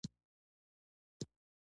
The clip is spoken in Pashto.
امان الله خان د خفه کېدو پر ځای.